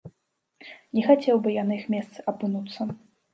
Не хацеў бы я на іх месцы апынуцца.